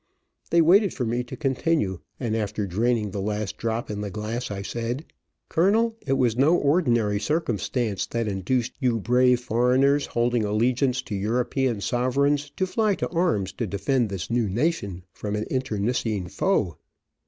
They waited for me to continue, and after draining the last drop in the glass, I said: "Colonel, it was no ordinary circumstance that induced you brave foreigners, holding allegiance to European sovereigns, to fly to arms to defend this new nation from an internecine foe.